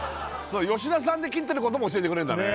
よしださんで切ってることも教えてくれるんだね